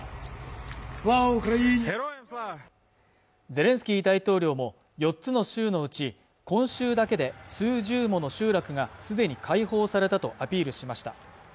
ゼレンスキー大統領も４つの州のうち今週だけで数十もの集落がすでに解放されたとアピールしました